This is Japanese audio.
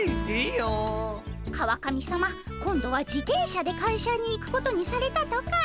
川上さま今度は自転車で会社に行くことにされたとか。